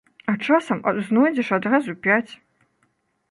А часам знойдзеш адразу пяць!